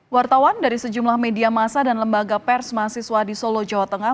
wartawan dari sejumlah media masa dan lembaga pers mahasiswa di solo jawa tengah